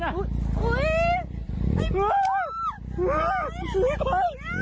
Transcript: เอาไปดูหน่อยนะ